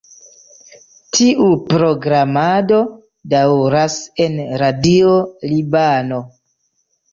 Tiu programado daŭras en Radio Libano.